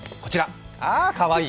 あ、かわいい。